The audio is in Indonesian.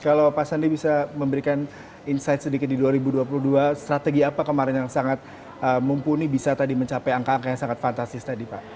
kalau pak sandi bisa memberikan insight sedikit di dua ribu dua puluh dua strategi apa kemarin yang sangat mumpuni bisa tadi mencapai angka angka yang sangat fantastis tadi pak